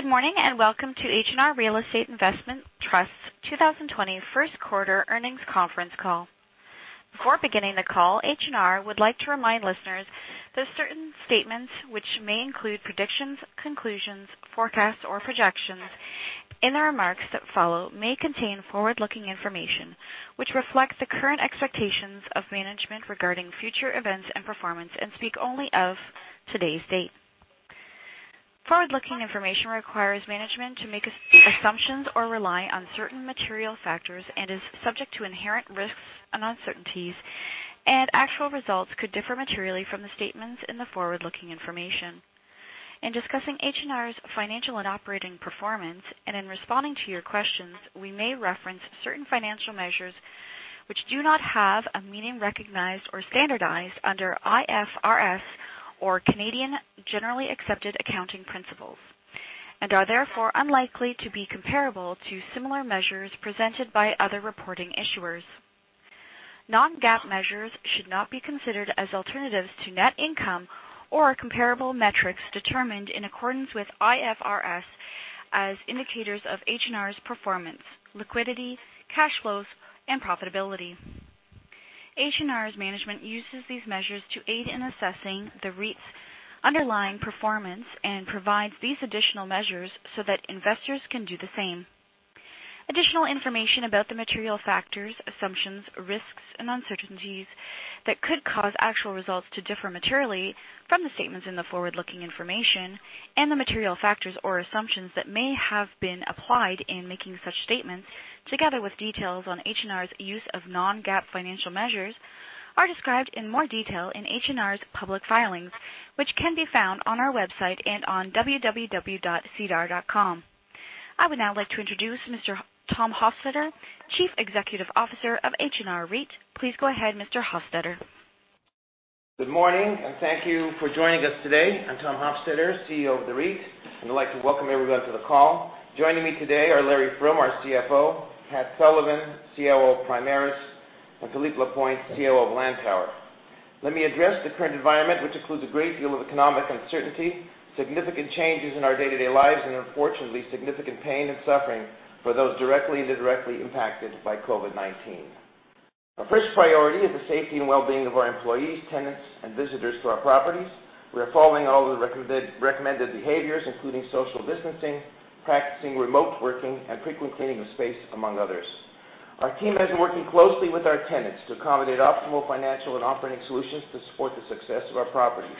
Good morning, welcome to H&R Real Estate Investment Trust 2020 first quarter earnings conference call. Before beginning the call, H&R would like to remind listeners that certain statements which may include predictions, conclusions, forecasts, or projections in the remarks that follow may contain forward-looking information which reflects the current expectations of management regarding future events and performance and speak only of today's date. Forward-looking information requires management to make assumptions or rely on certain material factors and is subject to inherent risks and uncertainties, actual results could differ materially from the statements in the forward-looking information. In discussing H&R's financial and operating performance, and in responding to your questions, we may reference certain financial measures which do not have a meaning recognized or standardized under IFRS or Canadian Generally Accepted Accounting Principles and are therefore unlikely to be comparable to similar measures presented by other reporting issuers. Non-GAAP measures should not be considered as alternatives to net income or comparable metrics determined in accordance with IFRS as indicators of H&R's performance, liquidity, cash flows, and profitability. H&R's management uses these measures to aid in assessing the REIT's underlying performance and provides these additional measures so that investors can do the same. Additional information about the material factors, assumptions, risks, and uncertainties that could cause actual results to differ materially from the statements in the forward-looking information and the material factors or assumptions that may have been applied in making such statements, together with details on H&R's use of Non-GAAP financial measures, are described in more detail in H&R's public filings, which can be found on our website and on www.sedar.com. I would now like to introduce Mr. Tom Hofstedter, Chief Executive Officer of H&R REIT. Please go ahead, Mr. Hofstedter. Good morning, and thank you for joining us today. I'm Tom Hofstedter, CEO of H&R REIT, and I'd like to welcome everyone to the call. Joining me today are Larry Froom, our CFO, Pat Sullivan, COO of Primaris, and Philippe Lapointe, COO of Lantower. Let me address the current environment, which includes a great deal of economic uncertainty, significant changes in our day-to-day lives, and unfortunately, significant pain and suffering for those directly and indirectly impacted by COVID-19. Our first priority is the safety and well-being of our employees, tenants, and visitors to our properties. We are following all the recommended behaviors, including social distancing, practicing remote working, and frequent cleaning of space, among others. Our team has been working closely with our tenants to accommodate optimal financial and operating solutions to support the success of our properties.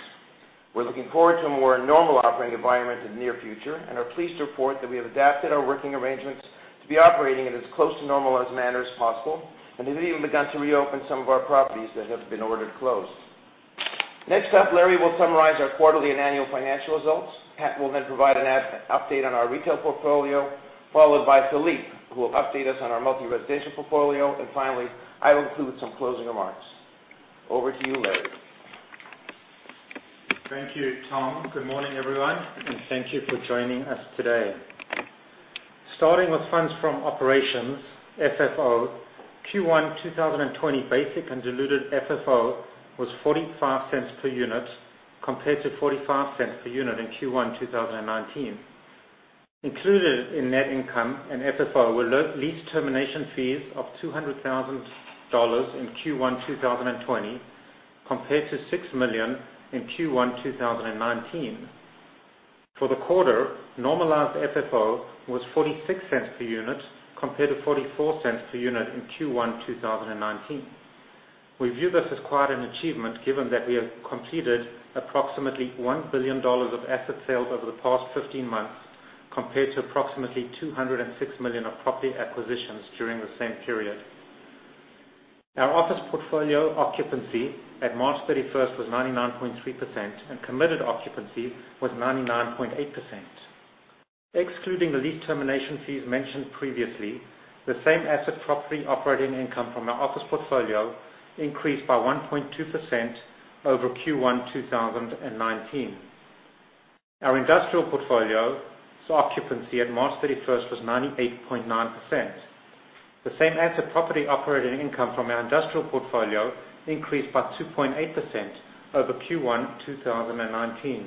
We're looking forward to a more normal operating environment in the near future and are pleased to report that we have adapted our working arrangements to be operating in as close to normal as manner as possible and have even begun to reopen some of our properties that have been ordered closed. Next up, Larry will summarize our quarterly and annual financial results. Pat will then provide an update on our retail portfolio, followed by Philippe, who will update us on our multi-residential portfolio. Finally, I will conclude with some closing remarks. Over to you, Larry. Thank you, Tom. Good morning, everyone, and thank you for joining us today. Starting with funds from operations, FFO, Q1 2020 basic and diluted FFO was 0.45 per unit, compared to 0.45 per unit in Q1 2019. Included in net income and FFO were lease termination fees of 200,000 dollars in Q1 2020, compared to 6 million in Q1 2019. For the quarter, normalized FFO was 0.46 per unit, compared to 0.44 per unit in Q1 2019. We view this as quite an achievement given that we have completed approximately 1 billion dollars of asset sales over the past 15 months, compared to approximately 206 million of property acquisitions during the same period. Our office portfolio occupancy at March 31st was 99.3%, and committed occupancy was 99.8%. Excluding the lease termination fees mentioned previously, the same-asset property operating income from our office portfolio increased by 1.2% over Q1 2019. Our industrial portfolio's occupancy at March 31st was 98.9%. The same-asset property operating income from our industrial portfolio increased by 2.8% over Q1 2019.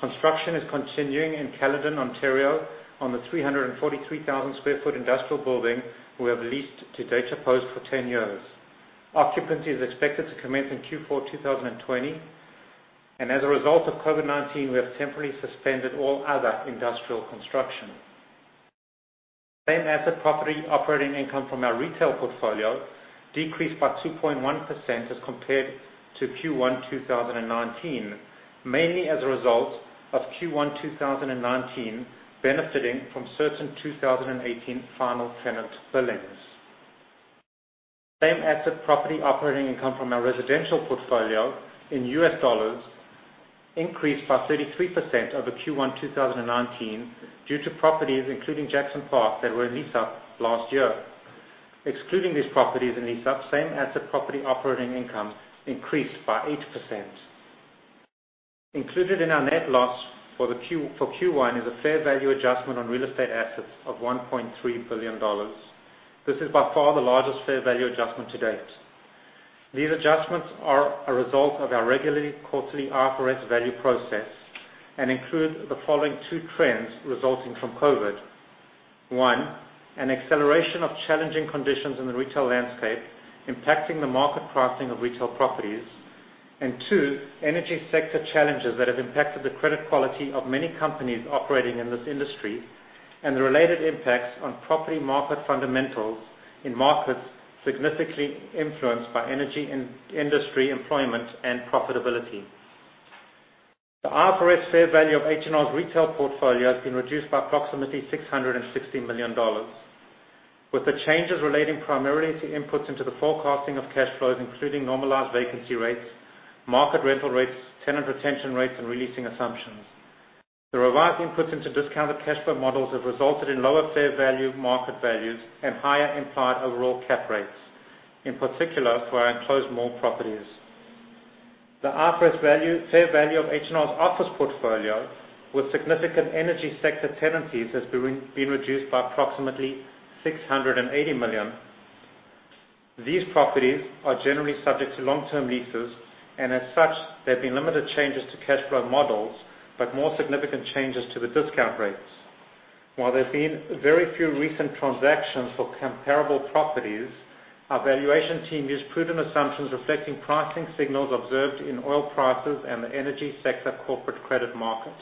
Construction is continuing in Caledon, Ontario on the 343,000 sq ft industrial building we have leased to [DataPost] for 10 years. Occupancy is expected to commence in Q4 2020. As a result of COVID-19, we have temporarily suspended all other industrial construction. Same-asset property operating income from our retail portfolio decreased by 2.1% as compared to Q1 2019, mainly as a result of Q1 2019 benefiting from certain 2018 final tenant billings. Same-asset property operating income from our residential portfolio in US dollars increased by 33% over Q1 2019 due to properties, including Jackson Park, that were in lease-up last year. Excluding these properties in lease-up, same-asset, the property operating income increased by 8%. Included in our net loss for Q1 is a fair value adjustment on real estate assets of 1.3 billion dollars. This is by far the largest fair value adjustment to date. These adjustments are a result of our regularly quarterly IFRS value process and include the following two trends resulting from COVID. One, an acceleration of challenging conditions in the retail landscape impacting the market pricing of retail properties. Two, energy sector challenges that have impacted the credit quality of many companies operating in this industry, and the related impacts on property market fundamentals in markets significantly influenced by energy industry employment and profitability. The IFRS fair value of H&R's retail portfolio has been reduced by approximately 660 million dollars. With the changes relating primarily to inputs into the forecasting of cash flows, including normalized vacancy rates, market rental rates, tenant retention rates, and releasing assumptions. The revised inputs into discounted cash flow models have resulted in lower fair value market values and higher implied overall cap rates, in particular for our enclosed mall properties. The IFRS fair value of H&R's office portfolio, with significant energy sector tenancies, has been reduced by approximately 680 million. These properties are generally subject to long-term leases, and as such, there have been limited changes to cash flow models, but more significant changes to the discount rates. While there've been very few recent transactions for comparable properties, our valuation team used prudent assumptions reflecting pricing signals observed in oil prices and the energy sector corporate credit markets.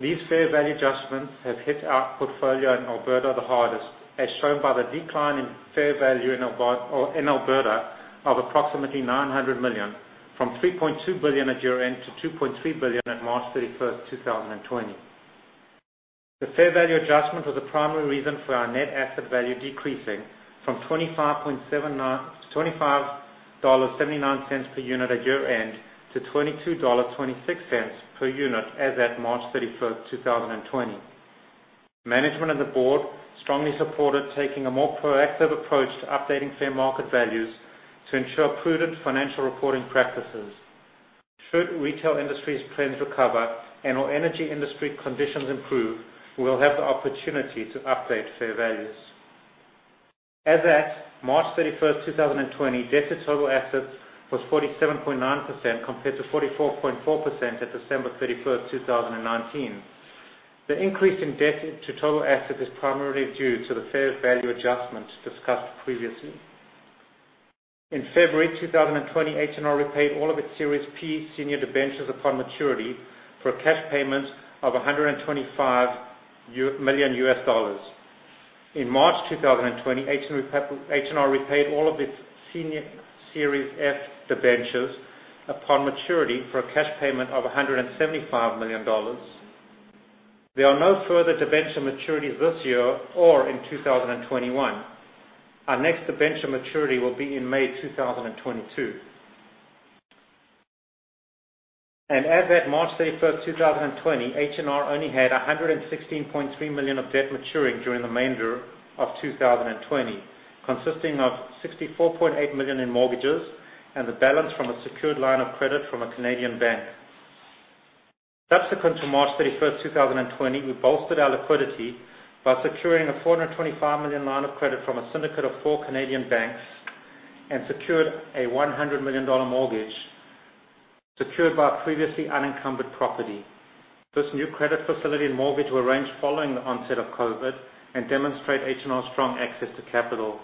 These fair value adjustments have hit our portfolio in Alberta the hardest, as shown by the decline in fair value in Alberta of approximately 900 million, from 3.2 billion at year-end to 2.3 billion at March 31st, 2020. The fair value adjustment was a primary reason for our net asset value decreasing from 25.79 dollars per unit at year-end to 22.26 dollars per unit as at March 31st, 2020. Management and the board strongly supported taking a more proactive approach to updating fair market values to ensure prudent financial reporting practices. Should retail industries trends recover and/or energy industry conditions improve, we will have the opportunity to update fair values. As at March 31st, 2020, debt to total assets was 47.9% compared to 44.4% at December 31st, 2019. The increase in debt to total assets is primarily due to the fair value adjustments discussed previously. In February 2020, H&R repaid all of its Series P senior debentures upon maturity for a cash payment of CAD 125 million. In March 2020, H&R repaid all of its senior Series F debentures upon maturity for a cash payment of 175 million dollars. There are no further debenture maturities this year or in 2021. Our next debenture maturity will be in May 2022. As at March 31st, 2020, H&R only had 116.3 million of debt maturing during the remainder of 2020, consisting of 64.8 million in mortgages and the balance from a secured line of credit from a Canadian bank. Subsequent to March 31st, 2020, we bolstered our liquidity by securing a 425 million line of credit from a syndicate of four Canadian banks and secured a 100 million dollar mortgage secured by previously unencumbered property. This new credit facility and mortgage were arranged following the onset of COVID and demonstrate H&R's strong access to capital.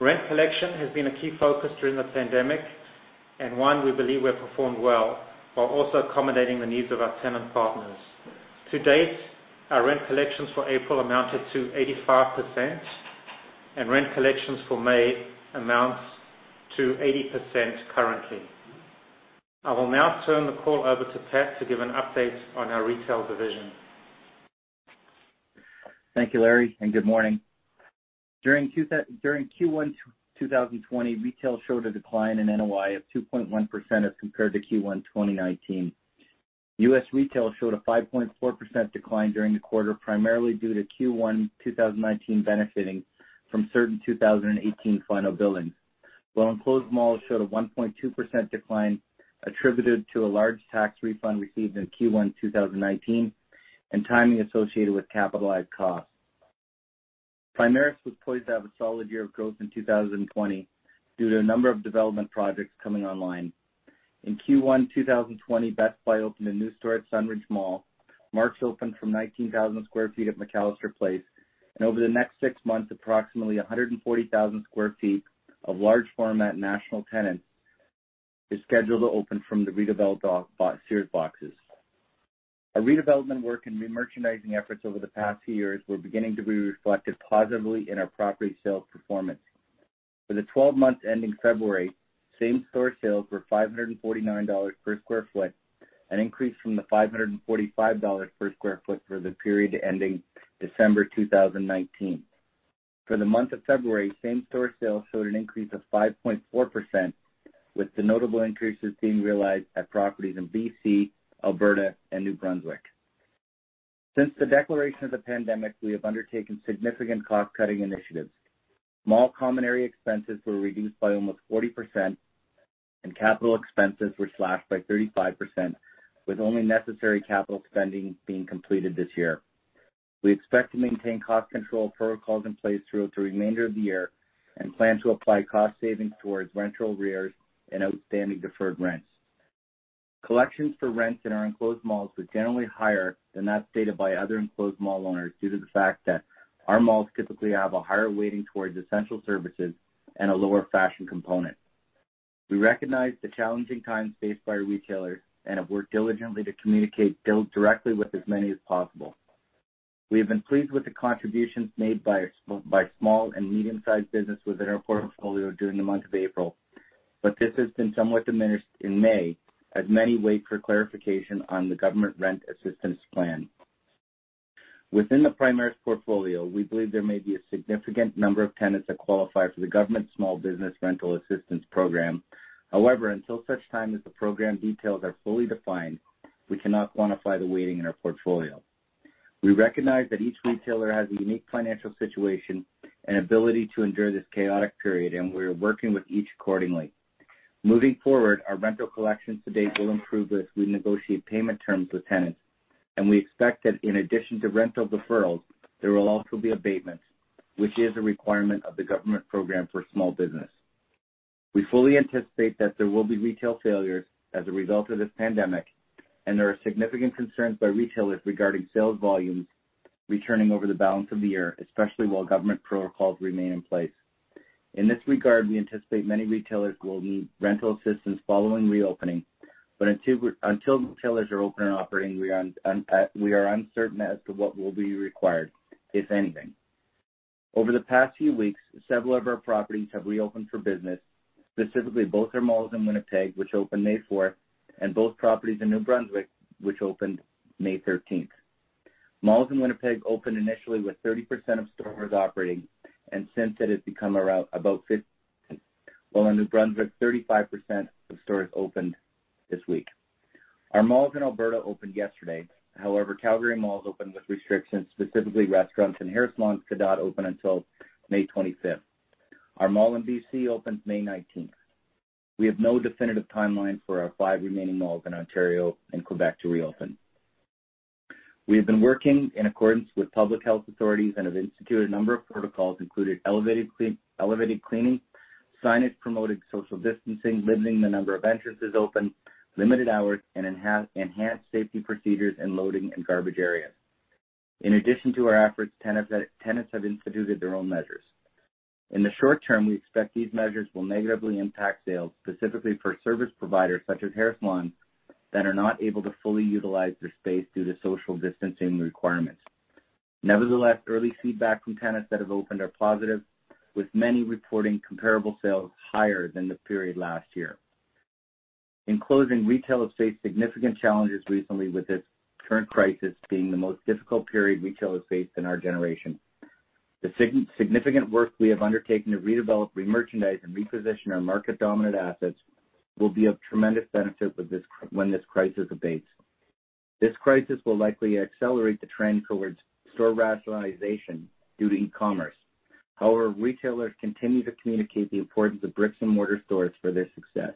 Rent collection has been a key focus during the pandemic, and one we believe we have performed well while also accommodating the needs of our tenant partners. To date, our rent collections for April amounted to 85%, and rent collections for May amounts to 80% currently. I will now turn the call over to Pat to give an update on our retail division. Thank you, Larry, and good morning. During Q1 2020, retail showed a decline in NOI of 2.1% as compared to Q1 2019. U.S. retail showed a 5.4% decline during the quarter, primarily due to Q1 2019 benefiting from certain 2018 final billings. Enclosed malls showed a 1.2% decline attributed to a large tax refund received in Q1 2019 and timing associated with capitalized costs. Primaris was poised to have a solid year of growth in 2020 due to a number of development projects coming online. In Q1 2020, Best Buy opened a new store at Sunridge Mall. Mark's opened from 19,000 sq ft at McAllister Place. Over the next six months, approximately 140,000 sq ft of large format national tenants is scheduled to open from the redeveloped Sears boxes. Our redevelopment work and new merchandising efforts over the past years were beginning to be reflected positively in our property sales performance. For the 12 months ending February, same-store sales were 549 dollars per square foot, an increase from the 545 dollars per square foot for the period ending December 2019. For the month of February, same-store sales showed an increase of 5.4%, with the notable increases being realized at properties in BC, Alberta, and New Brunswick. Since the declaration of the pandemic, we have undertaken significant cost-cutting initiatives. Mall common area expenses were reduced by almost 40%, and capital expenses were slashed by 35%, with only necessary capital spending being completed this year. We expect to maintain cost control protocols in place throughout the remainder of the year and plan to apply cost savings towards rental arrears and outstanding deferred rents. Collections for rents in our enclosed malls were generally higher than that stated by other enclosed mall owners due to the fact that our malls typically have a higher weighting towards essential services and a lower fashion component. We recognize the challenging times faced by our retailers and have worked diligently to communicate directly with as many as possible. We have been pleased with the contributions made by small and medium-sized business within our portfolio during the month of April, but this has been somewhat diminished in May as many wait for clarification on the government rent assistance plan. Within the Primaris portfolio, we believe there may be a significant number of tenants that qualify for the government small business rental assistance program. However, until such time as the program details are fully defined, we cannot quantify the weighting in our portfolio. We recognize that each retailer has a unique financial situation and ability to endure this chaotic period, and we are working with each accordingly. Moving forward, our rental collections to date will improve as we negotiate payment terms with tenants, and we expect that in addition to rental deferrals, there will also be abatements, which is a requirement of the government program for small business. We fully anticipate that there will be retail failures as a result of this pandemic, and there are significant concerns by retailers regarding sales volumes returning over the balance of the year, especially while government protocols remain in place. In this regard, we anticipate many retailers will need rental assistance following reopening, but until retailers are open and operating, we are uncertain as to what will be required, if anything. Over the past few weeks, several of our properties have reopened for business, specifically both our malls in Winnipeg, which opened May 4th, and both properties in New Brunswick, which opened May 13th. Malls in Winnipeg opened initially with 30% of stores operating, and since it has become about 50. While in New Brunswick, 35% of stores opened this week. Our malls in Alberta opened yesterday. However, Calgary malls opened with restrictions, specifically restaurants and hair salons cannot open until May 25th. Our mall in B.C. opens May 19th. We have no definitive timeline for our five remaining malls in Ontario and Quebec to reopen. We have been working in accordance with public health authorities and have instituted a number of protocols, including elevated cleaning, signage promoting social distancing, limiting the number of entrances open, limited hours, and enhanced safety procedures in loading and garbage areas. In addition to our efforts, tenants have instituted their own measures. In the short term, we expect these measures will negatively impact sales, specifically for service providers such as hair salons that are not able to fully utilize their space due to social distancing requirements. Nevertheless, early feedback from tenants that have opened are positive, with many reporting comparable sales higher than the period last year. In closing, retail has faced significant challenges recently, with this current crisis being the most difficult period retail has faced in our generation. The significant work we have undertaken to redevelop, remerchandise, and reposition our market-dominant assets will be of tremendous benefit when this crisis abates. This crisis will likely accelerate the trend towards store rationalization due to e-commerce. However, retailers continue to communicate the importance of bricks and mortar stores for their success.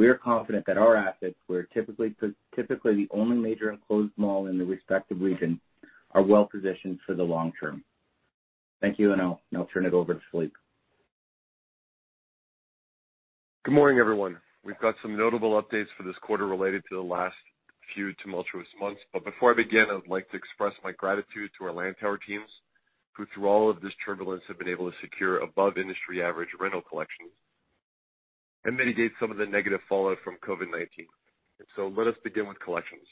We are confident that our assets, we're typically the only major enclosed mall in the respective region, are well positioned for the long term. Thank you, and I'll turn it over to Philippe. Good morning, everyone. We've got some notable updates for this quarter related to the last few tumultuous months. Before I begin, I would like to express my gratitude to our Lantower teams who, through all of this turbulence, have been able to secure above industry average rental collections and mitigate some of the negative fallout from COVID-19. Let us begin with collections.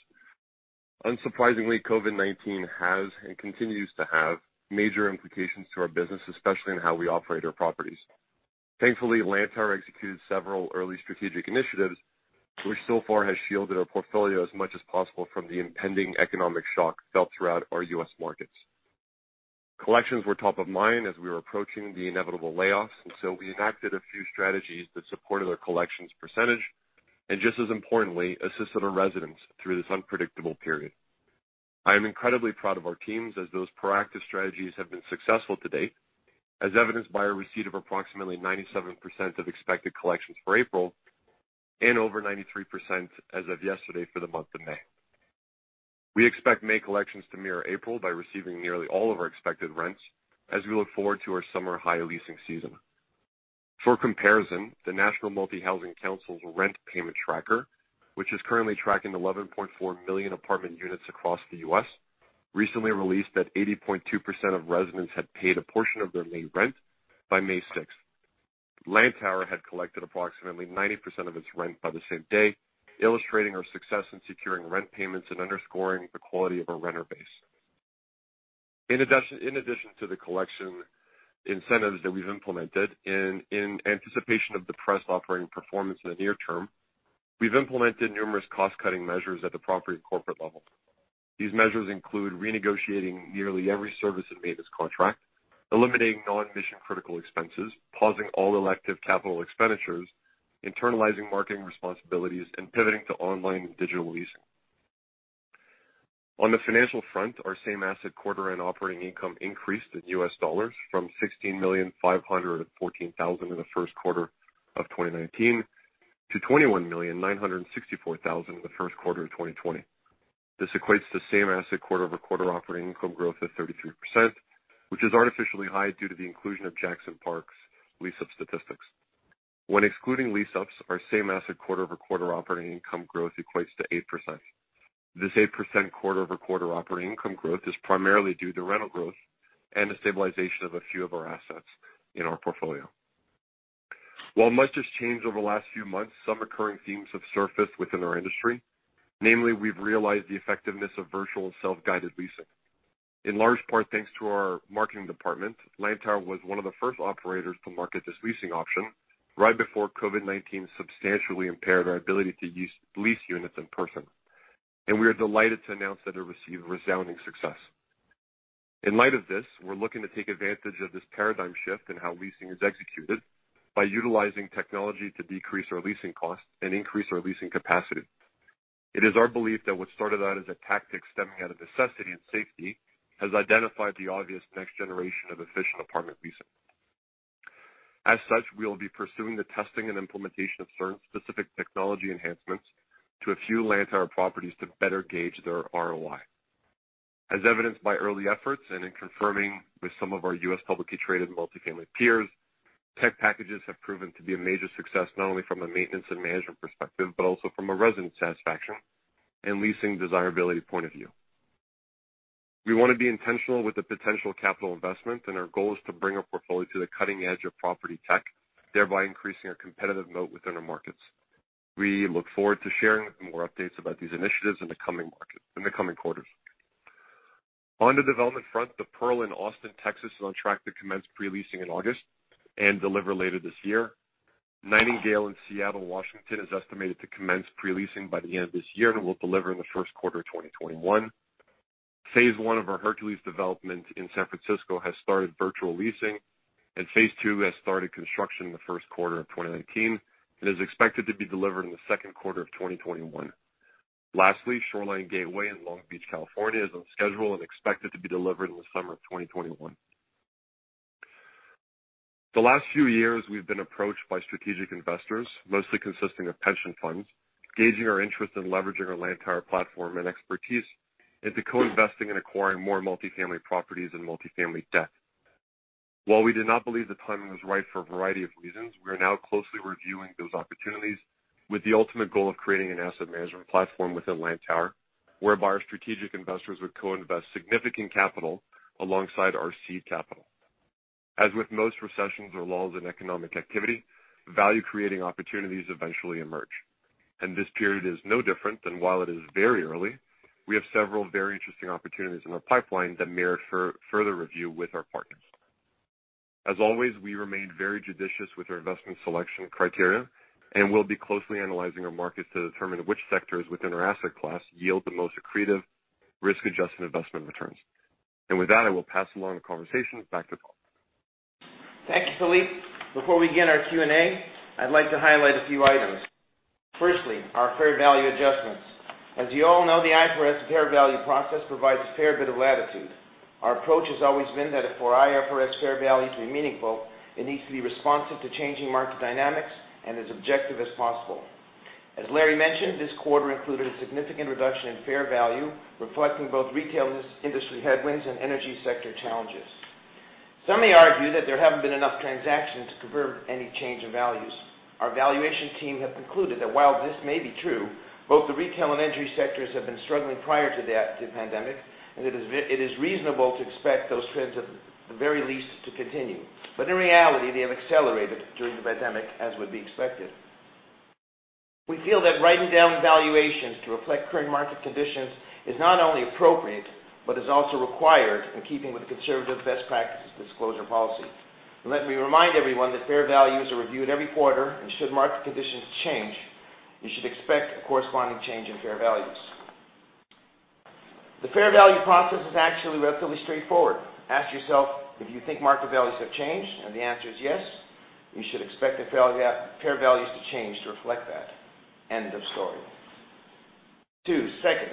Unsurprisingly, COVID-19 has and continues to have major implications to our business, especially in how we operate our properties. Thankfully, Lantower executed several early strategic initiatives, which so far has shielded our portfolio as much as possible from the impending economic shock felt throughout our U.S. markets. Collections were top of mind as we were approaching the inevitable layoffs, we enacted a few strategies that supported our collections % and just as importantly, assisted our residents through this unpredictable period. I am incredibly proud of our teams as those proactive strategies have been successful to date, as evidenced by our receipt of approximately 97% of expected collections for April and over 93% as of yesterday for the month of May. We expect May collections to mirror April by receiving nearly all of our expected rents as we look forward to our summer higher leasing season. For comparison, the National Multifamily Housing Council's rent payment tracker, which is currently tracking 11.4 million apartment units across the U.S., recently released that 80.2% of residents had paid a portion of their May rent by May 6th. Lantower had collected approximately 90% of its rent by the same day, illustrating our success in securing rent payments and underscoring the quality of our renter base. In addition to the collection incentives that we've implemented, in anticipation of depressed operating performance in the near term, we've implemented numerous cost-cutting measures at the property and corporate level. These measures include renegotiating nearly every service and maintenance contract, eliminating non-mission critical expenses, pausing all elective capital expenditures, internalizing marketing responsibilities, and pivoting to online and digital leasing. On the financial front, our same asset quarter and operating income increased in US dollars from $16,514,000 in the first quarter of 2019 to $21,964,000 in the first quarter of 2020. This equates to same-asset quarter-over-quarter operating income growth of 33%, which is artificially high due to the inclusion of Jackson Park's lease-up statistics. When excluding lease-ups, our same asset quarter-over-quarter operating income growth equates to 8%. This 8% quarter-over-quarter operating income growth is primarily due to rental growth and the stabilization of a few of our assets in our portfolio. While much has changed over the last few months, some recurring themes have surfaced within our industry. Namely, we've realized the effectiveness of virtual self-guided leasing. In large part thanks to our marketing department, Lantower was one of the first operators to market this leasing option right before COVID-19 substantially impaired our ability to lease units in person. We are delighted to announce that it received resounding success. In light of this, we're looking to take advantage of this paradigm shift in how leasing is executed by utilizing technology to decrease our leasing costs and increase our leasing capacity. It is our belief that what started out as a tactic stemming out of necessity and safety has identified the obvious next generation of efficient apartment leasing. As such, we will be pursuing the testing and implementation of certain specific technology enhancements to a few Lantower properties to better gauge their ROI. As evidenced by early efforts and in confirming with some of our U.S. publicly traded multifamily peers, tech packages have proven to be a major success, not only from a maintenance and management perspective, but also from a resident satisfaction and leasing desirability point of view. We want to be intentional with the potential capital investment, and our goal is to bring our portfolio to the cutting edge of property tech, thereby increasing our competitive moat within our markets. We look forward to sharing more updates about these initiatives in the coming quarters. On the development front, The Pearl in Austin, Texas, is on track to commence pre-leasing in August and deliver later this year. Nightingale in Seattle, Washington, is estimated to commence pre-leasing by the end of this year and will deliver in the first quarter of 2021. Phase 1 of our Hercules development in San Francisco has started virtual leasing, and phase 2 has started construction in the first quarter of 2019 and is expected to be delivered in the second quarter of 2021. Lastly, Shoreline Gateway in Long Beach, California, is on schedule and expected to be delivered in the summer of 2021. The last few years, we've been approached by strategic investors, mostly consisting of pension funds, gauging our interest in leveraging our Lantower platform and expertise into co-investing and acquiring more multifamily properties and multifamily debt. While we did not believe the timing was right for a variety of reasons, we are now closely reviewing those opportunities with the ultimate goal of creating an asset management platform within Lantower, whereby our strategic investors would co-invest significant capital alongside our seed capital. As with most recessions or lulls in economic activity, value-creating opportunities eventually emerge. This period is no different than while it is very early, we have several very interesting opportunities in our pipeline that merit further review with our partners. As always, we remain very judicious with our investment selection criteria, and we'll be closely analyzing our markets to determine which sectors within our asset class yield the most accretive risk-adjusted investment returns. With that, I will pass along the conversation back to Tom. Thank you, Philippe. Before we begin our Q&A, I'd like to highlight a few items. Firstly, our fair value adjustments. As you all know, the IFRS fair value process provides a fair bit of latitude. Our approach has always been that for IFRS fair value to be meaningful, it needs to be responsive to changing market dynamics and as objective as possible. As Larry mentioned, this quarter included a significant reduction in fair value, reflecting both retail industry headwinds and energy sector challenges. Some may argue that there haven't been enough transactions to confirm any change in values. Our valuation team have concluded that while this may be true, both the retail and energy sectors have been struggling prior to the pandemic, and it is reasonable to expect those trends at the very least to continue. In reality, they have accelerated during the pandemic, as would be expected. We feel that writing down valuations to reflect current market conditions is not only appropriate, but is also required in keeping with conservative best practices disclosure policy. Let me remind everyone that fair values are reviewed every quarter, and should market conditions change, you should expect a corresponding change in fair values. The fair value process is actually relatively straightforward. Ask yourself if you think market values have changed, and the answer is yes, you should expect the fair values to change to reflect that. End of story. Second,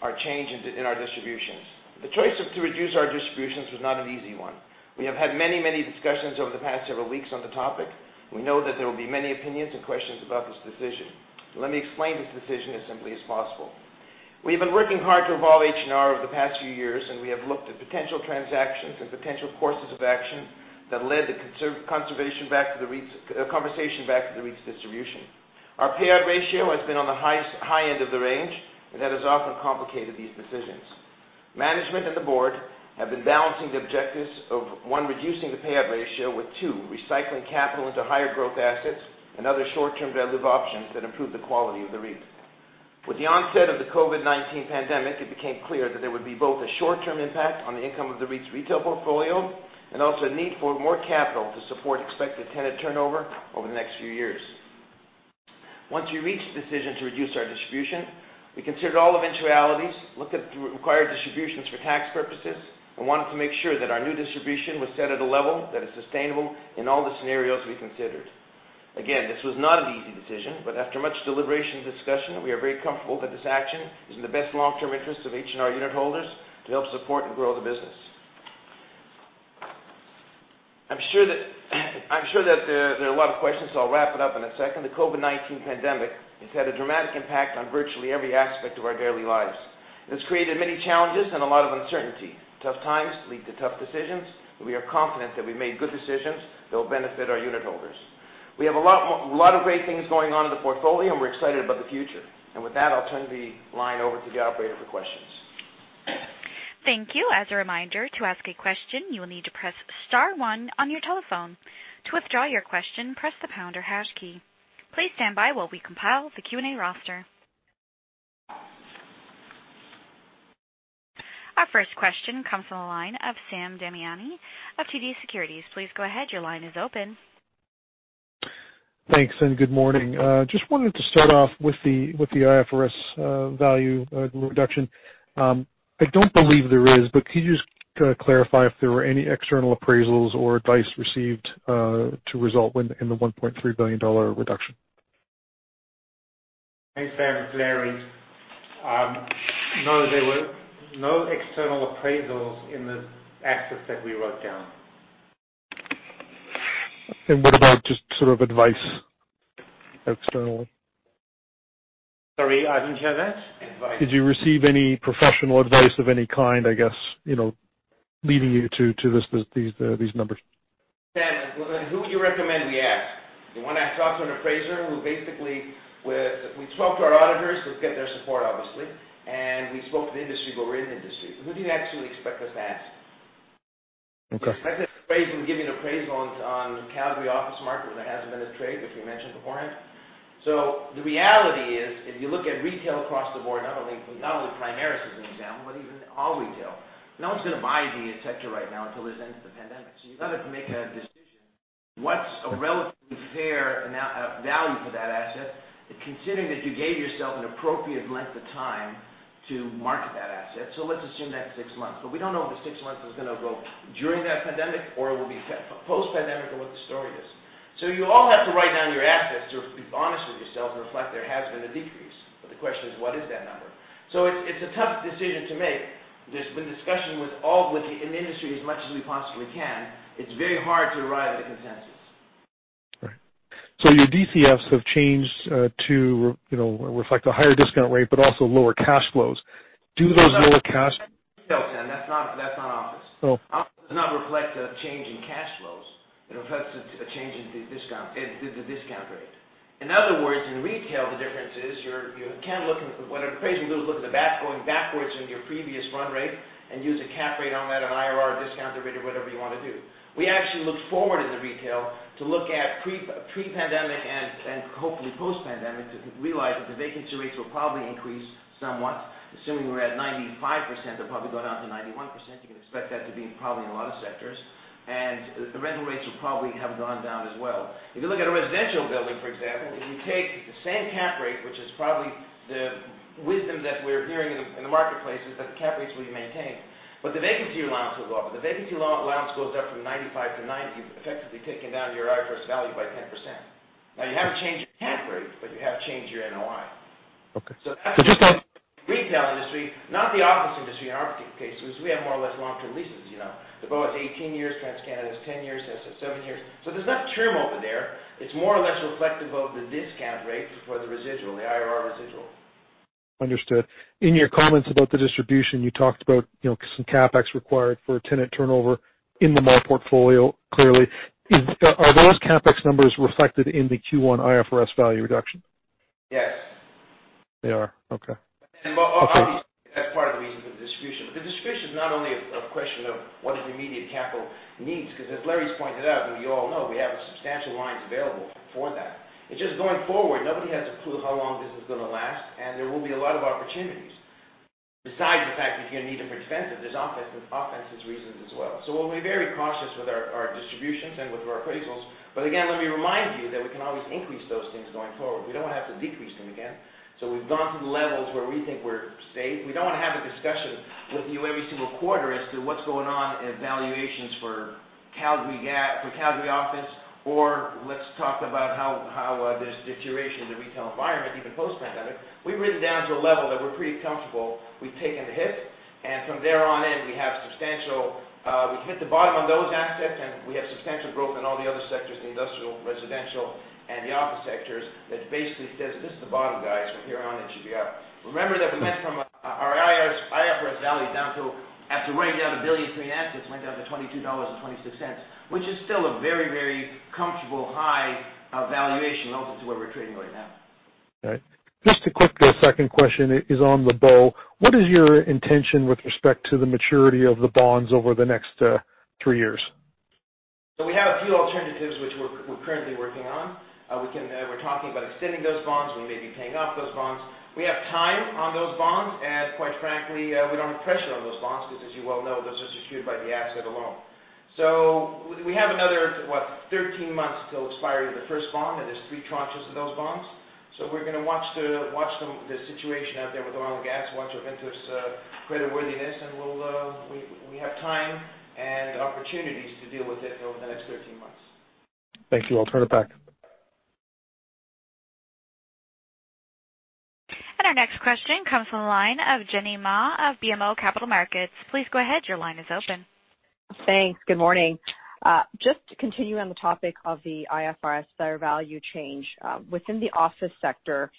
our change in our distributions. The choice to reduce our distributions was not an easy one. We have had many discussions over the past several weeks on the topic. We know that there will be many opinions and questions about this decision. Let me explain this decision as simply as possible. We've been working hard to evolve H&R over the past few years. We have looked at potential transactions and potential courses of action that led the conversation back to the REIT's distribution. Our payout ratio has been on the high end of the range. That has often complicated these decisions. Management and the board have been balancing the objectives of, one, reducing the payout ratio with, two, recycling capital into higher growth assets and other short-term value-add options that improve the quality of the REIT. With the onset of the COVID-19 pandemic, it became clear that there would be both a short-term impact on the income of the REIT's retail portfolio and also a need for more capital to support expected tenant turnover over the next few years. Once we reached the decision to reduce our distribution, we considered all eventualities, looked at the required distributions for tax purposes, and wanted to make sure that our new distribution was set at a level that is sustainable in all the scenarios we considered. Again, this was not an easy decision, but after much deliberation and discussion, we are very comfortable that this action is in the best long-term interest of H&R unit holders to help support and grow the business. I'm sure that there are a lot of questions, so I'll wrap it up in a second. The COVID-19 pandemic has had a dramatic impact on virtually every aspect of our daily lives, and it's created many challenges and a lot of uncertainty. Tough times lead to tough decisions. We are confident that we've made good decisions that will benefit our unit holders. We have a lot of great things going on in the portfolio, and we're excited about the future. With that, I'll turn the line over to the operator for questions. Thank you. As a reminder, to ask a question, you will need to press star one on your telephone. To withdraw your question, press the pound or hash key. Please stand by while we compile the Q&A roster. Our first question comes from the line of Sam Damiani of TD Securities. Please go ahead. Your line is open. Thanks, good morning. Just wanted to start off with the IFRS value reduction. I don't believe there is, but could you just clarify if there were any external appraisals or advice received, to result in the 1.3 billion dollar reduction? Thanks, Sam. It's Larry. No, there were no external appraisals in the assets that we wrote down. What about just sort of advice externally? Sorry, I didn't hear that. Advice. Did you receive any professional advice of any kind, I guess, leading you to these numbers? Sam, who would you recommend we ask? You want to talk to an appraiser. We've talked to our auditors. We've got their support, obviously. We spoke to the industry, but we're in the industry. Who do you actually expect us to ask? Okay. An appraiser can give you an appraisal on Calgary office market where there hasn't been a trade, which we mentioned beforehand. The reality is, if you look at retail across the board, not only Primaris as an example, but even all retail, no one's going to buy in the sector right now until there's an end to the pandemic. You've got to make a decision what's a relatively fair value for that asset, considering that you gave yourself an appropriate length of time to market that asset. Let's assume that's six months, but we don't know if the six months is going to go during that pandemic or it will be post-pandemic or what the story is. You all have to write down your assets to be honest with yourselves and reflect there has been a decrease. The question is, what is that number? It's a tough decision to make. With discussion with all within the industry as much as we possibly can, it's very hard to arrive at a consensus. Right. Your DCFs have changed, to reflect a higher discount rate, but also lower cash flows. Do those lower? That's retail, Sam. That's not office. Oh. Office does not reflect a change in cash flows. It reflects a change in the discount rate. In other words, in retail, the difference is what an appraiser will do is look at going backwards in your previous run rate and use a cap rate on that, an IRR discount rate, or whatever you want to do. We actually look forward in the retail to look at pre-pandemic and hopefully post-pandemic to realize that the vacancy rates will probably increase somewhat, assuming we're at 95%, they're probably going out to 91%. You can expect that to be probably in a lot of sectors. The rental rates will probably have gone down as well. If you look at a residential building, for example, if you take the same cap rate, which is probably the wisdom that we're hearing in the marketplace, is that the cap rates will be maintained. The vacancy allowance will go up. If the vacancy allowance goes up from 95 to 90, you've effectively taken down your IFRS value by 10%. You haven't changed your cap rate, but you have changed your NOI. Okay. Retail industry, not the office industry in our case, because we have more or less long-term leases. The Bow is 18 years. TransCanada is 10 years. Cenovus is seven years. There's not churn over there. It's more or less reflective of the discount rate for the residual, the IRR residual. Understood. In your comments about the distribution, you talked about some CapEx required for tenant turnover in the mall portfolio, clearly. Are those CapEx numbers reflected in the Q1 IFRS value reduction? Yes. They are. Okay. Obviously, that's part of the reason for the distribution. The distribution is not only a question of what are the immediate capital needs, because as Larry's pointed out and you all know, we have substantial lines available for that. It's just going forward, nobody has a clue how long this is going to last, and there will be a lot of opportunities besides the fact that you're going to need a defensive. There's offensive reasons as well. We'll be very cautious with our distributions and with our appraisals. Again, let me remind you that we can always increase those things going forward. We don't have to decrease them again. We've gone to the levels where we think we're safe. We don't want to have a discussion with you every single quarter as to what's going on in valuations for Calgary office, or let's talk about how the duration of the retail environment, even post-pandemic. We've written down to a level that we're pretty comfortable. We've taken the hit. From there on in, we've hit the bottom on those assets, and we have substantial growth in all the other sectors, the industrial, residential, and the office sectors. That basically says, "This is the bottom, guys. From here on, it should be up." Remember that we went from our IFRS value down to, after writing down 1 billion in assets, went down to 22.26 dollars, which is still a very, very comfortable high valuation relative to where we're trading right now. Right. Just a quick second question is on The Bow. What is your intention with respect to the maturity of the bonds over the next three years? We have a few alternatives which we're currently working on. We're talking about extending those bonds. We may be paying off those bonds. We have time on those bonds, and quite frankly, we don't have pressure on those bonds because as you well know, those are secured by the asset alone. We have another, what, 13 months till expiry of the first bond, and there's 3 tranches of those bonds. We're going to watch the situation out there with oil and gas, watch Ovintiv credit worthiness, and we have time and opportunities to deal with it over the next 13 months. Thank you. I'll turn it back. Our next question comes from the line of Jenny Ma of BMO Capital Markets. Please go ahead. Your line is open. Thanks. Good morning. Just to continue on the topic of the IFRS fair value change. Within the office sector,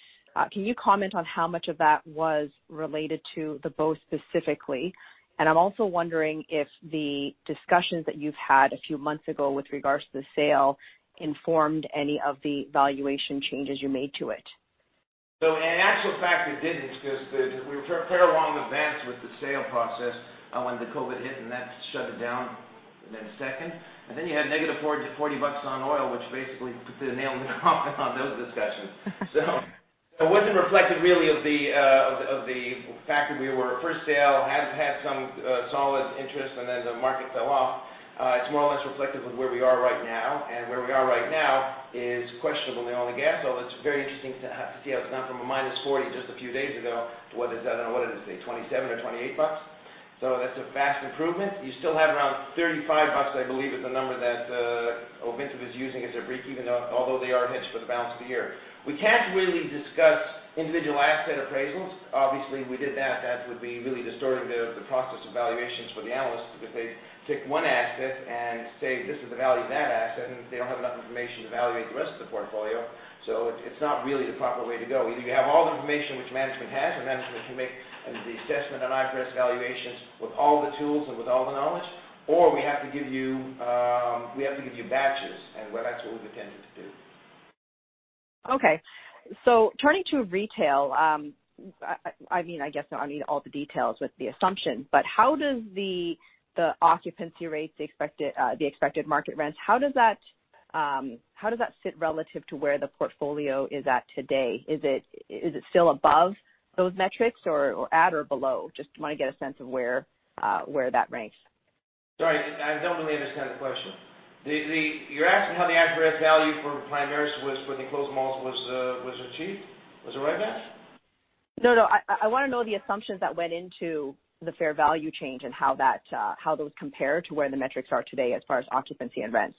can you comment on how much of that was related to the Bow, specifically? I'm also wondering if the discussions that you've had a few months ago with regards to the sale informed any of the valuation changes you made to it. In actual fact, it didn't, because we were fairly along advanced with the sale process, when the COVID hit, and that shut it down in a second. Then you had negative 40 bucks on oil, which basically put the nail in the coffin on those discussions. It wasn't reflective really of the fact that we were at first sale, had some solid interest, and then the market fell off. It's more or less reflective of where we are right now, and where we are right now is questionable. The oil and gas, though, that's very interesting to see how it's gone from a minus 40 just a few days ago to, what is that? I don't know, what it is today, 27 or 28 bucks. That's a vast improvement. You still have around 35 bucks, I believe, is the number that Ovintiv is using as a brief, although they are hedged for the balance of the year. We can't really discuss individual asset appraisals. If we did that would be really distorting the process of valuations for the analysts, because they'd take one asset and say, "This is the value of that asset," and they don't have enough information to evaluate the rest of the portfolio. It's not really the proper way to go. Either you have all the information which management has, and management can make the assessment on IFRS valuations with all the tools and with all the knowledge, or we have to give you batches, and that's what we've intended to do. Okay. Turning to retail. I guess I don't need all the details with the assumption, but how does the occupancy rates, the expected market rents, how does that sit relative to where the portfolio is at today? Is it still above those metrics, or at or below? Just want to get a sense of where that ranks. Sorry, I don't really understand the question. You're asking how the IFRS value for Primaris was for the enclosed malls was achieved? Was it right, Jen? No. I want to know the assumptions that went into the fair value change and how those compare to where the metrics are today as far as occupancy and rents.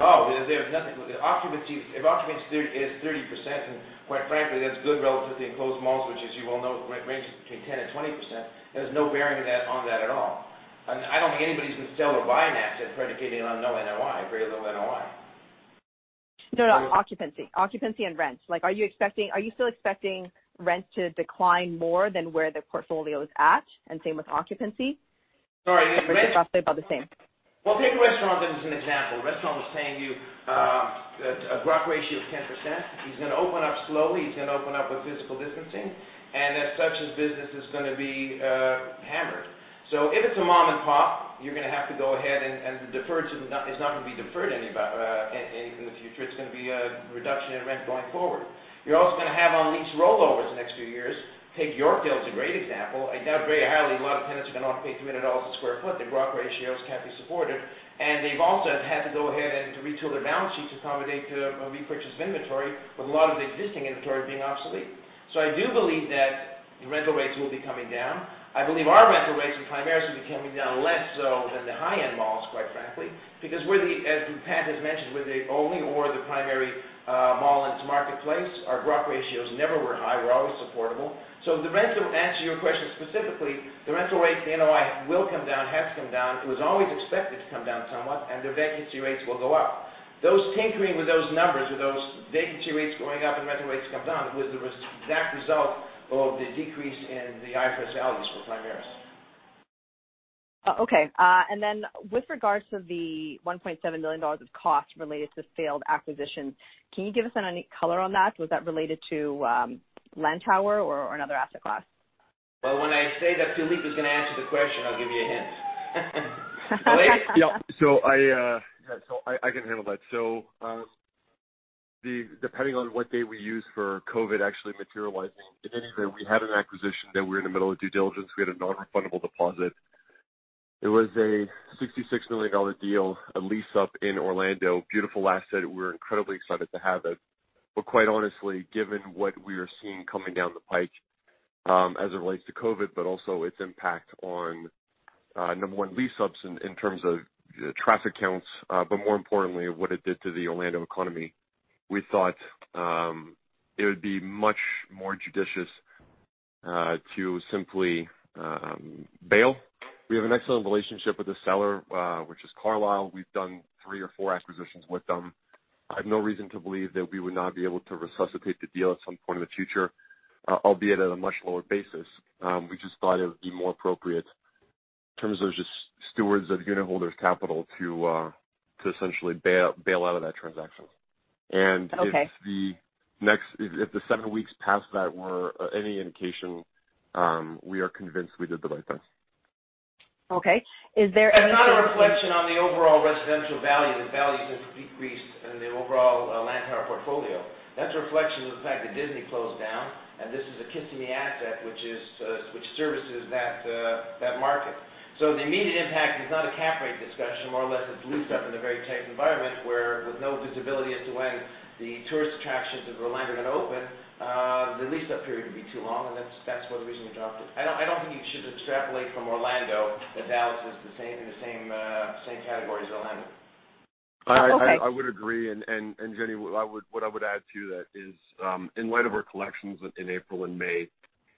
Oh, there's nothing. If occupancy is 30%, and quite frankly, that's good relative to the enclosed malls, which as you well know, ranges between 10% and 20%. There's no bearing on that at all. I don't think anybody's going to sell or buy an asset predicated on no NOI, very little NOI. No, occupancy. Occupancy and rents. Are you still expecting rents to decline more than where the portfolio is at? Same with occupancy. Sorry. Do you anticipate about the same? Well, take a restaurant as an example. Restaurant was paying you a gross ratio of 10%. He's going to open up slowly. He's going to open up with physical distancing, as such, his business is going to be hammered. If it's a mom and pop, you're going to have to go ahead and it's not going to be deferred any in the future. It's going to be a reduction in rent going forward. You're also going to have on lease rollovers the next few years. Take Yorkdale as a great example. I doubt very highly a lot of tenants are going to want to pay 300 dollars a square foot. Their gross ratios can't be supported. They've also have had to go ahead and retool their balance sheets to accommodate the repurchase of inventory with a lot of the existing inventory being obsolete. I do believe that rental rates will be coming down. I believe our rental rates in Primaris will be coming down less so than the high-end malls, quite frankly, because as Pat has mentioned, we're the only or the primary mall in this marketplace. Our gross ratios never were high. We're always supportable. To answer your question specifically, the rental rates, the NOI will come down, has come down. It was always expected to come down somewhat, and the vacancy rates will go up. Those tinkering with those numbers, with those vacancy rates going up and rental rates come down, it was the exact result of the decrease in the IFRS values for Primaris. Okay. Then with regards to the 1.7 million dollars of cost related to failed acquisitions, can you give us any color on that? Was that related to Lantower or another asset class? Well, when I say that Philippe is going to answer the question, I'll give you a hint. Philippe? Yeah. I can handle that. Depending on what day we use for COVID actually materializing, in any event, we had an acquisition that we were in the middle of due diligence. We had a non-refundable deposit. It was a 66 million dollar deal, a lease-up in Orlando. Beautiful asset. We were incredibly excited to have it. Quite honestly, given what we are seeing coming down the pike, as it relates to COVID, but also its impact on, number one, lease-ups in terms of traffic counts, but more importantly, what it did to the Orlando economy. We thought it would be much more judicious to simply bail. We have an excellent relationship with the seller, which is Carlyle. We've done three or four acquisitions with them. I have no reason to believe that we would not be able to resuscitate the deal at some point in the future, albeit at a much lower basis. We just thought it would be more appropriate in terms of just stewards of unitholders' capital to essentially bail out of that transaction. Okay. If the seven weeks past that were any indication, we are convinced we did the right thing. Okay. That's not a reflection on the overall residential value. The value has decreased in the overall Lantower portfolio. That's a reflection of the fact that Disney closed down, and this is a Kissimmee asset which services that market. The immediate impact is not a cap rate discussion, more or less it's leased up in a very tight environment where with no visibility as to when the tourist attractions of Orlando are going to open, the lease-up period would be too long, and that's one reason we dropped it. I don't think you should extrapolate from Orlando that Dallas is in the same category as Orlando. I would agree. Jenny, what I would add to that is, in light of our collections in April and May,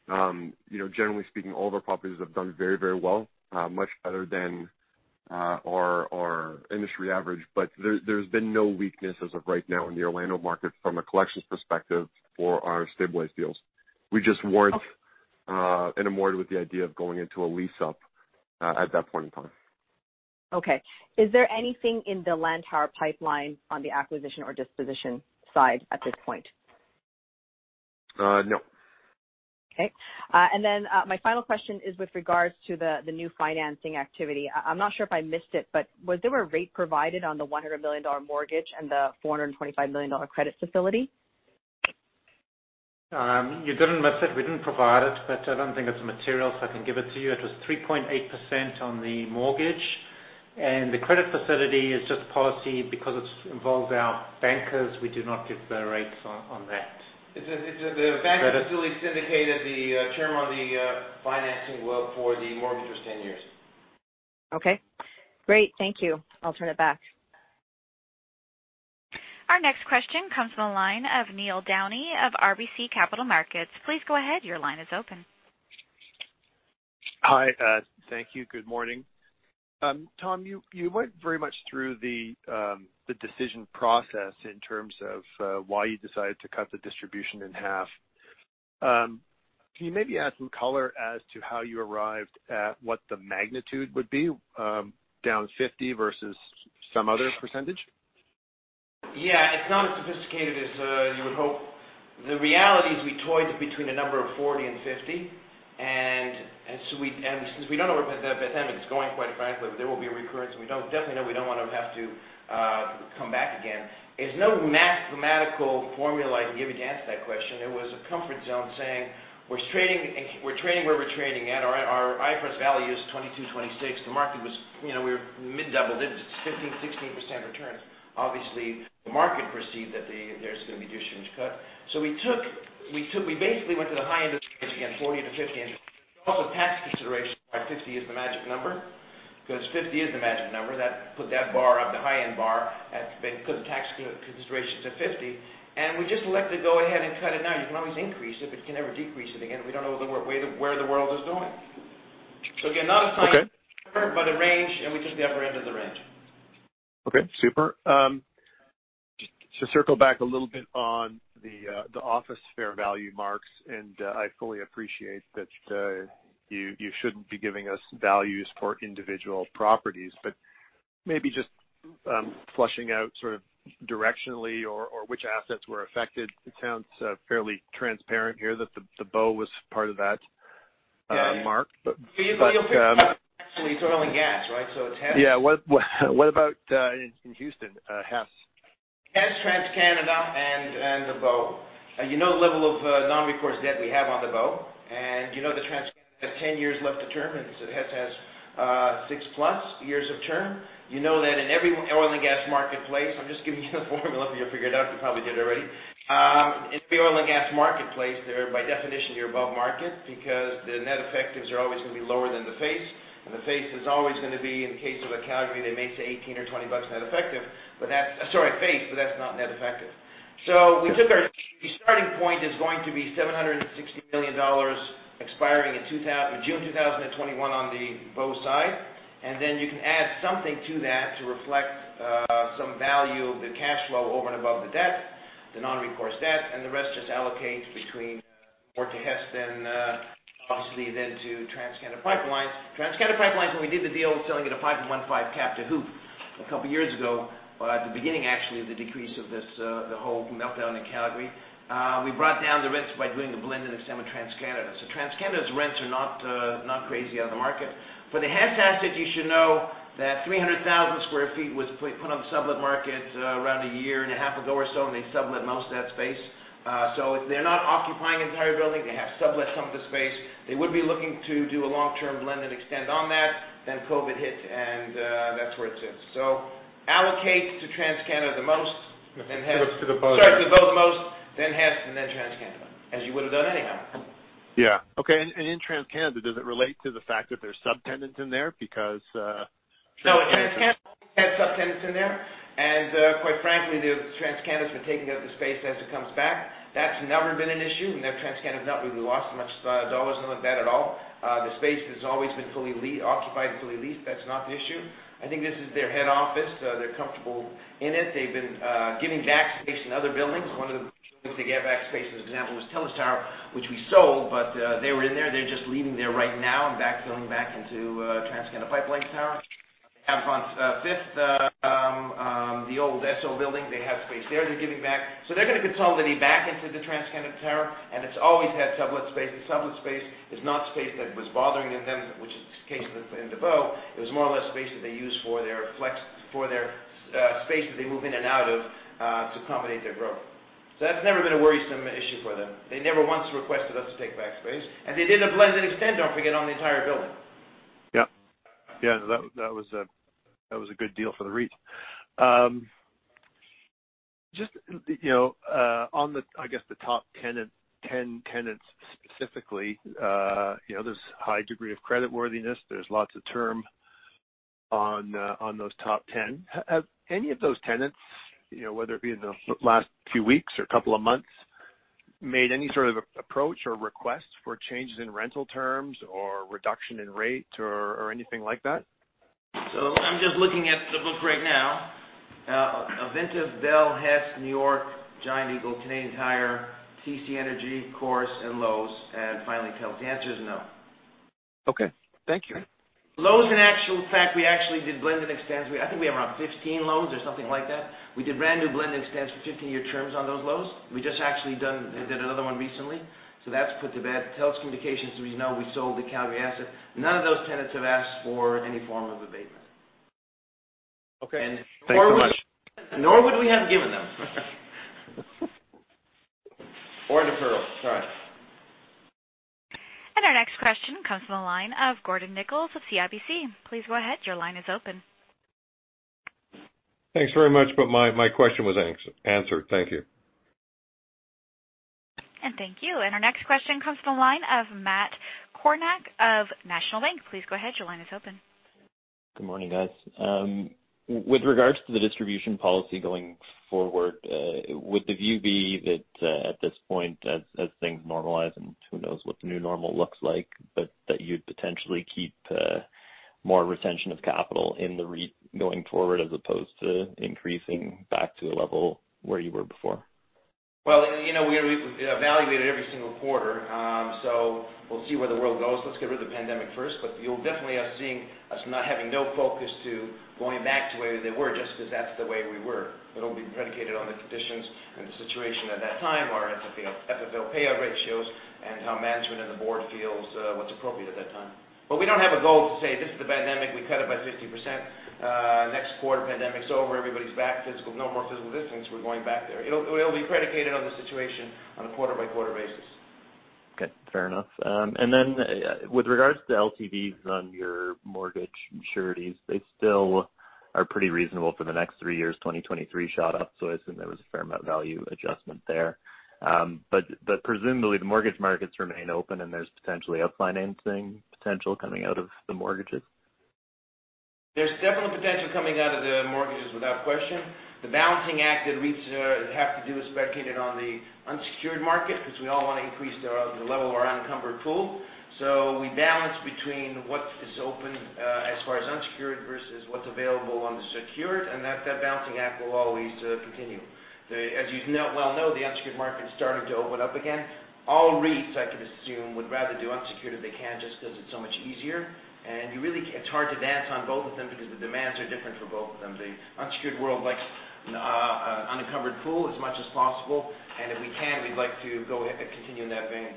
generally speaking, all of our properties have done very well, much better than our industry average. There's been no weakness as of right now in the Orlando market from a collections perspective for our stabilized deals. We just weren't enamored with the idea of going into a lease-up at that point in time. Okay. Is there anything in the Lantower pipeline on the acquisition or disposition side at this point? No. Okay. My final question is with regards to the new financing activity. I'm not sure if I missed it, but was there a rate provided on the 100 million dollar mortgage and the 425 million dollar credit facility? You didn't miss it. We didn't provide it, but I don't think it's material, so I can give it to you. It was 3.8% on the mortgage, and the credit facility is just policy. Because it involves our bankers, we do not give the rates on that. The bank facility syndicated the term on the financing for the mortgage was 10 years. Okay. Great. Thank you. I'll turn it back. Our next question comes from the line of Neil Downey of RBC Capital Markets. Please go ahead, your line is open. Hi. Thank you. Good morning. Tom, you went very much through the decision process in terms of why you decided to cut the distribution in half. Can you maybe add some color as to how you arrived at what the magnitude would be, down 50% versus some other percentage? Yeah. It's not as sophisticated as you would hope. The reality is we toyed between the number of 40 and 50, and since we don't know where the Fed is going, quite frankly, there will be a recurrence, and we definitely know we don't want to have to come back again. There's no mathematical formula I can give you to answer that question. It was a comfort zone saying, we're trading where we're trading at. Our IFRS value is 22.26. The market was mid-double digits, 15, 16% returns. Obviously, the market perceived that there's going to be distributions cut. We basically went to the high end of the range again, 40 to 50, and also tax consideration, why 50 is the magic number. 50 is the magic number. That put that bar up, the high-end bar at, because the tax consideration's at 50, and we just elected to go ahead and cut it now. You can always increase it, but you can never decrease it again, and we don't know where the world is going. Again, not a science. Okay A range, and we took the upper end of the range. Okay, super. To circle back a little bit on the office fair value marks, I fully appreciate that you shouldn't be giving us values for individual properties, but maybe just fleshing out sort of directionally or which assets were affected. It sounds fairly transparent here that The Bow was part of that mark. Basically, you'll pick up actually oil and gas, right? It's Hess. Yeah. What about in Houston, Hess? Hess, TransCanada, and The Bow. You know the level of non-recourse debt we have on The Bow, and you know that TransCanada has 10 years left to term, and Hess has six-plus years of term. You know that in every oil and gas marketplace, I'm just giving you the formula, you'll figure it out, you probably did already. In the oil and gas marketplace, by definition, you're above market because the net effectives are always going to be lower than the face. The face is always going to be, in the case of a Calgary, they may say 18 or 20 bucks face, but that's not net effective. We took our starting point is going to be 760 million dollars expiring in June 2021 on The Bow side. Then you can add something to that to reflect some value of the cash flow over and above the debt, the non-recourse debt, and the rest just allocates between more to Hess, then obviously then to TransCanada PipeLines. TransCanada PipeLines, when we did the deal selling at a 500 cap to HOOPP a couple of years ago. At the beginning, actually, of the decrease of the whole meltdown in Calgary, we brought down the rents by doing a blend and extend with TransCanada. TransCanada's rents are not crazy out of the market. For the Hess assets, you should know that 300,000 sq ft was put on the sublet market around a year and a half ago or so, and they sublet most of that space. They have sublet some of the space. They would be looking to do a long-term blend and extend on that, then COVID hit, and that's where it sits. Allocate to TransCanada the most, then Hess. To The Bow first. Sorry, to The Bow the most, then Hess, and then TransCanada, as you would have done anyhow. Yeah. Okay. In TransCanada, does it relate to the fact that there's subtenants in there? No, in TransCanada, we had subtenants in there, and quite frankly, TransCanada's been taking out the space as it comes back. That's never been an issue. TransCanada's not really lost much dollars on the bet at all. The space has always been fully occupied and fully leased. That's not the issue. I think this is their head office. They're comfortable in it. They've been giving back space in other buildings. One of the buildings they gave back space, as an example, was Telus Tower, which we sold. They were in there. They're just leaving there right now and going back into TransCanada Pipelines Tower. AtFifth and Fifth, the old Esso building, they have space there they're giving back. They're going to consolidate back into the TransCanada Tower, and it's always had sublet space. The sublet space is not space that was bothering them, which is the case in The Bow. It was more or less space that they use for their space that they move in and out of to accommodate their growth. That's never been a worrisome issue for them. They never once requested us to take back space. They did a blend and extend, don't forget, on the entire building. Yeah. That was a good deal for the REIT. Just on the top 10 tenants specifically, there's a high degree of creditworthiness. There's lots of term on those top 10. Have any of those tenants, whether it be in the last few weeks or couple of months, made any sort of approach or request for changes in rental terms or reduction in rate or anything like that? I'm just looking at the book right now. Ovintiv, Bell, Hess, New York, Giant Eagle, Canadian Tire, TC Energy, Corus, and Lowe's, and finally Telus. The answer is no. Okay. Thank you. Lowe's, in actual fact, we actually did blended extends. I think we have around 15 Lowe's or something like that. We did brand-new blended extends for 15-year terms on those Lowe's. We just actually did another one recently. That's put to bed. Telus Communications, as we know, we sold the Calgary asset. None of those tenants have asked for any form of abatement. Okay. Thanks very much. Nor would we have given them. Deferrals. Sorry. Our next question comes from the line of Gordon Nichols of CIBC. Please go ahead. Your line is open. Thanks very much, but my question was answered. Thank you. Thank you. Our next question comes from the line of Matt Kornack of National Bank. Please go ahead. Your line is open. Good morning, guys. With regards to the distribution policy going forward, would the view be that at this point as things normalize, and who knows what the new normal looks like, but that you'd potentially keep more retention of capital in the REIT going forward as opposed to increasing back to a level where you were before? We evaluate it every single quarter. We'll see where the world goes. Let's get rid of the pandemic first. You'll definitely see us not having no focus to going back to the way they were just because that's the way we were. It'll be predicated on the conditions and the situation at that time, our FFO payout ratios, and how management and the board feels what's appropriate at that time. We don't have a goal to say, this is the pandemic, we cut it by 50%. Next quarter, pandemic's over, everybody's back. No more physical distance. We're going back there. It'll be predicated on the situation on a quarter-by-quarter basis. Okay. Fair enough. With regards to LTVs on your mortgage maturities, they still are pretty reasonable for the next three years. 2023 shot up, I assume there was a fair amount of value adjustment there. Presumably, the mortgage markets remain open, and there's potentially up financing potential coming out of the mortgages. There's definitely potential coming out of the mortgages, without question. The balancing act that REITs have to do is predicated on the unsecured market because we all want to increase the level of our unencumbered pool. We balance between what is open as far as unsecured versus what's available on the secured, and that balancing act will always continue. As you well know, the unsecured market's starting to open up again. All REITs, I could assume, would rather do unsecured if they can just because it's so much easier. It's hard to dance on both of them because the demands are different for both of them. The unsecured world likes unencumbered pool as much as possible, and if we can, we'd like to go ahead and continue in that vein.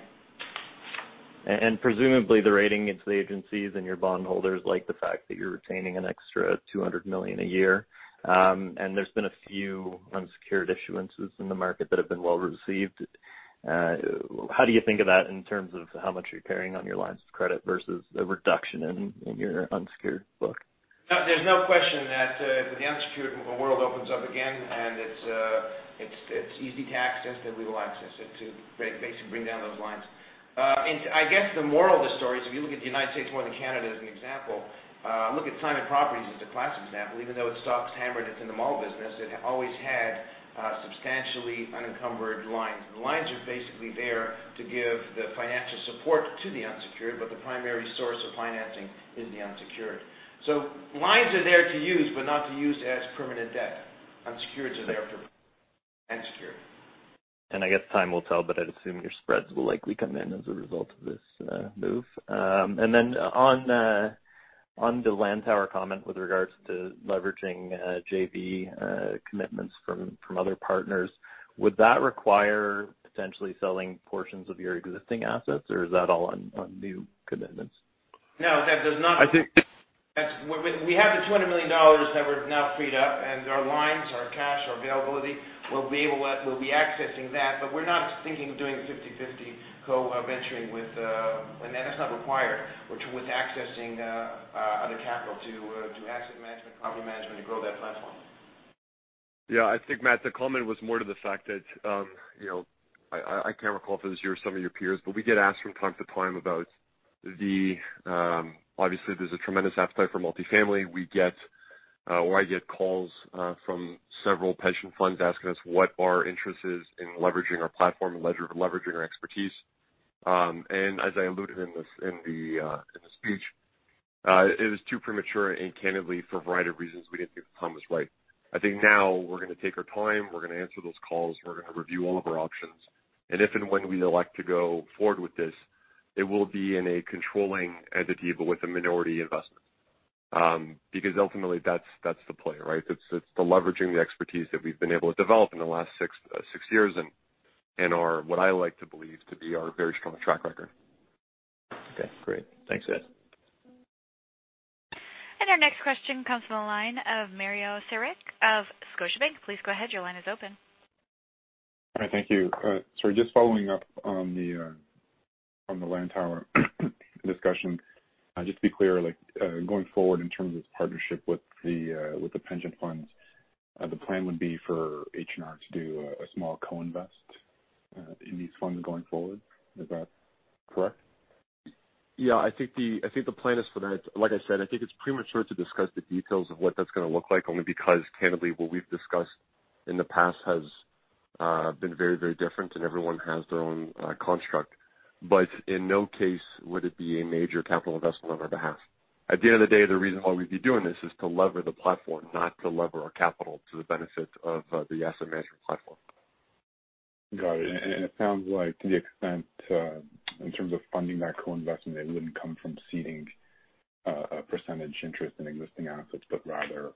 Presumably, the rating agencies and your bondholders like the fact that you're retaining an extra 200 million a year. There's been a few unsecured issuances in the market that have been well-received. How do you think of that in terms of how much you're carrying on your lines of credit versus a reduction in your unsecured book? There's no question that when the unsecured world opens up again and it's easy to access, then we will access it to basically bring down those lines. I guess the moral of the story is if you look at the United States more than Canada as an example, look at Simon Properties as a classic example. Even though its stock's hammered, it's in the mall business, it always had substantially unencumbered lines. The lines are basically there to give the financial support to the unsecured, but the primary source of financing is the unsecured. Lines are there to use, but not to use as permanent debt. Unsecureds are there for unsecured. I guess time will tell, but I'd assume your spreads will likely come in as a result of this move. On the Lantower comment with regards to leveraging JV commitments from other partners, would that require potentially selling portions of your existing assets, or is that all on new commitments? No, that does not. I think- We have the 200 million dollars that we've now freed up, and our lines, our cash, our availability, we'll be accessing that. We're not thinking of doing 50-50 co-venturing with. That's not required with accessing other capital to do asset management, property management to grow that platform. Yeah, I think, Matt, the comment was more to the fact that, I can't recall if it was you or some of your peers, but we get asked from time to time about the. Obviously, there's a tremendous appetite for multifamily. I get calls from several pension funds asking us what our interest is in leveraging our platform and leveraging our expertise. And as I alluded in the speech, it was too premature, and candidly, for a variety of reasons, we didn't think the time was right. I think now we're going to take our time, we're going to answer those calls, and we're going to review all of our options. And if and when we elect to go forward with this, it will be in a controlling entity but with a minority investment. Because ultimately, that's the play, right? It's the leveraging the expertise that we've been able to develop in the last six years and what I like to believe to be our very strong track record. Okay, great. Thanks, Ed. Our next question comes from the line of Mario Saric of Scotiabank. Please go ahead. Your line is open. All right, thank you. Sorry, just following up on the Lantower discussion. Just to be clear, going forward in terms of this partnership with the pension funds, the plan would be for H&R to do a small co-invest in these funds going forward. Is that correct? I think the plan is for that. Like I said, I think it's premature to discuss the details of what that's going to look like, only because candidly, what we've discussed in the past has been very different and everyone has their own construct. In no case would it be a major capital investment on our behalf. At the end of the day, the reason why we'd be doing this is to lever the platform, not to lever our capital to the benefit of the asset management platform. Got it. It sounds like to the extent, in terms of funding that co-investment, it wouldn't come from ceding a percentage interest in existing assets, but rather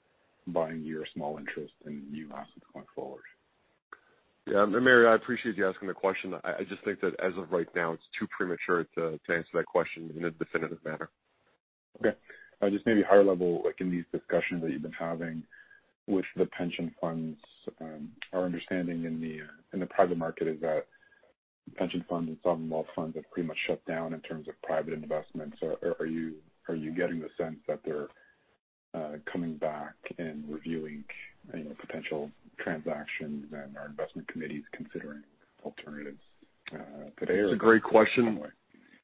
buying your small interest in new assets going forward. Yeah. Mario, I appreciate you asking the question. I just think that as of right now, it's too premature to answer that question in a definitive manner. Okay. Just maybe higher level, like in these discussions that you've been having with the pension funds, our understanding in the private market is that pension funds and sovereign wealth funds have pretty much shut down in terms of private investments. Are you getting the sense that they're coming back and reviewing potential transactions and are investment committees considering alternatives today? It's a great question. some way?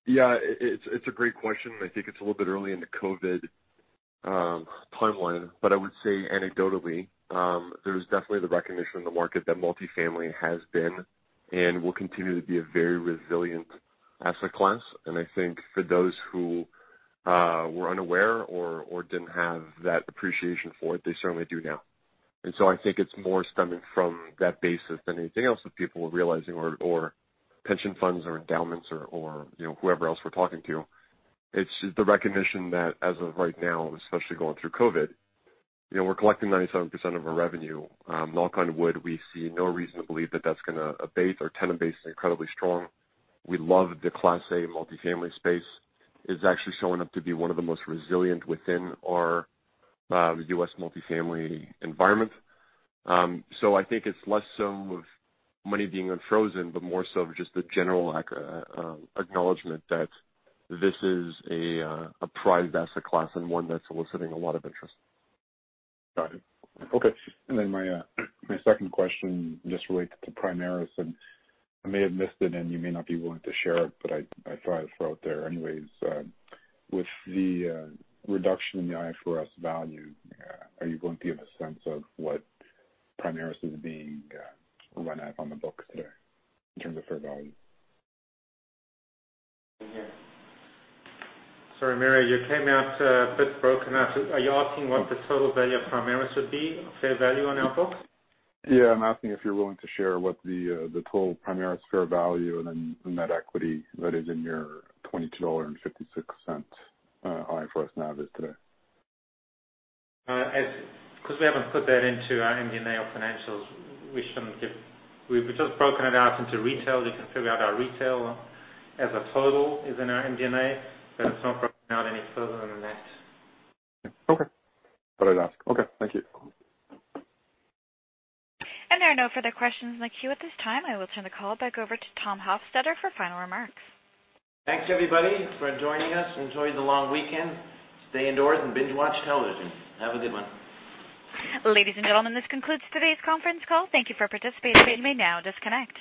Yeah. It's a great question. I think it's a little bit early in the COVID-19 timeline. I would say anecdotally, there's definitely the recognition in the market that multifamily has been and will continue to be a very resilient asset class. I think for those who were unaware or didn't have that appreciation for it, they certainly do now. I think it's more stemming from that basis than anything else that people are realizing or pension funds or endowments or whoever else we're talking to. It's just the recognition that as of right now, especially going through COVID-19, we're collecting 97% of our revenue. Knock on wood, we see no reason to believe that that's going to abate. Our tenant base is incredibly strong. We love the Class A multifamily space. It's actually showing up to be one of the most resilient within our U.S. multifamily environment. I think it's less so of money being unfrozen, but more so just the general acknowledgement that this is a prized asset class and one that's eliciting a lot of interest. Got it. Okay. My second question just relates to Primaris, and I may have missed it, and you may not be willing to share it, but I thought I'd throw out there anyways. With the reduction in the IFRS value, are you willing to give a sense of what Primaris is being run at on the books today in terms of fair value? Sorry, Mario, you came out a bit broken up. Are you asking what the total value of Primaris would be? Fair value on our books? Yeah. I'm asking if you're willing to share what the total Primaris fair value and then net equity that is in your 22.26 dollar IFRS NAV is today. We haven't put that into our MD&A or financials. We've just broken it out into retail. You can figure out our retail as a total is in our MD&A, but it's not broken out any further than that. Okay. Thought I'd ask. Okay. Thank you. There are no further questions in the queue at this time. I will turn the call back over to Tom Hofstedter for final remarks. Thanks everybody for joining us. Enjoy the long weekend. Stay indoors and binge-watch television. Have a good one. Ladies and gentlemen, this concludes today's conference call. Thank you for participating. You may now disconnect.